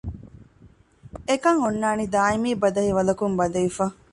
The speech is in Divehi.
އެކަން އޮންނާނީ ދާއިމީ ބަދަހި ވަލަކުން ބަނދެވިފަ